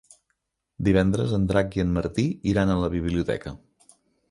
Divendres en Drac i en Martí iran a la biblioteca.